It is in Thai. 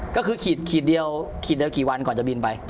ก็คือขีดเดียวขีดเดียวกี่วันก่อนจะบินไป